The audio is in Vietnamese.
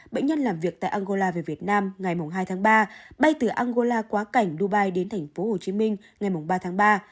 bệnh nhân làm việc tại angola về việt nam ngày hai tháng ba bay từ angola quá cảnh dubai đến tp hcm ngày ba tháng ba